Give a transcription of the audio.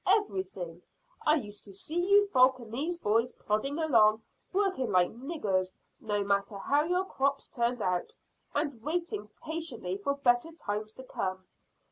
"Everything. I used to see you folk and these boys plodding along, working like niggers, no matter how your crops turned out, and waiting patiently for better times to come."